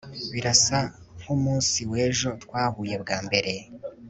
Birasa nkumunsi wejo twahuye bwa mbere